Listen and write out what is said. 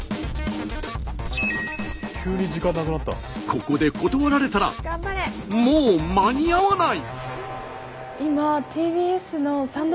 ここで断られたらもう間に合わない。